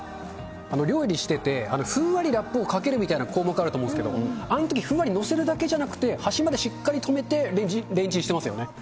料理してて、ふんわりラップをかけるみたいな項目あると思うんですけど、あのとき、ふんわり載せるだけじゃなくて、端までしっかり留めて、レンチンしてますよね。